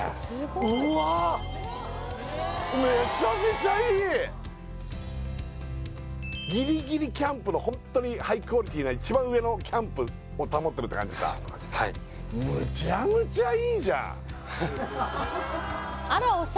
うわっめちゃめちゃいいギリギリキャンプのホントにハイクオリティーな一番上のキャンプを保ってるって感じかはいむちゃむちゃいいじゃん